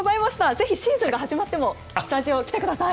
ぜひシーズンが始まってもスタジオ来てください。